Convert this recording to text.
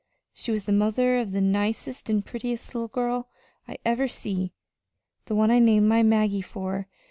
She was the mother of the nicest an' prettiest little girl I ever see the one I named my Maggie for.